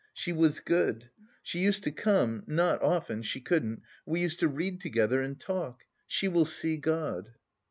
She was good... she used to come... not often... she couldn't.... We used to read together and... talk. She will see God."